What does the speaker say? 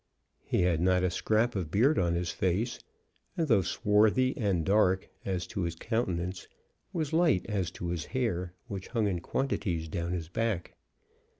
He had not a scrap of beard on his face, and though swarthy and dark as to his countenance, was light as to his hair, which hung in quantities down his back.